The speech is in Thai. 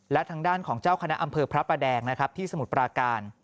และทางด้านของเจ้าคณะอำเภอพระประแดงนะครับที่สมุทรปราการ